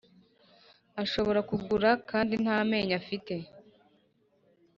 ashobora kugura kandi nt’amenyo afite